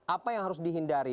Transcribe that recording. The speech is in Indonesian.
apa yang harus dihindari